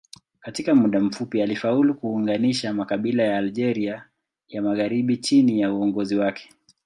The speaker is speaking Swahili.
Katika muda mfupi alifaulu kuunganisha makabila ya Algeria ya magharibi chini ya uongozi wake.